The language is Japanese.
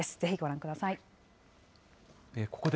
ぜひご覧ください。